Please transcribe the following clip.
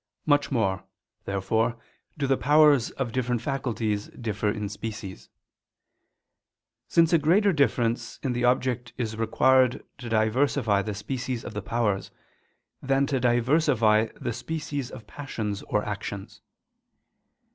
Much more, therefore, do the passions of different faculties differ in species; since a greater difference in the object is required to diversify the species of the powers, than to diversify the species of passions or actions.